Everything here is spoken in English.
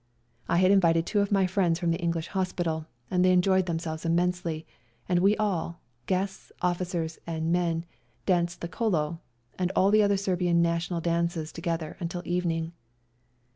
I had invited two of my friends from the English hospital, and they enjoyed them selves immensely, and we all— guests, officers and men — danced the " Kolo " and all the other Serbian national dances together until evening.